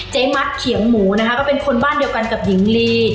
มัดเขียงหมูนะคะก็เป็นคนบ้านเดียวกันกับหญิงลี